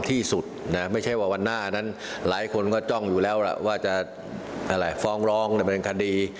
ที่สุดนะไม่ใช่ว่าวันหน้านั้นหลายคนก็จ้องอยู่แล้วล่ะว่าจะฟ้องร้องดำเนินคดี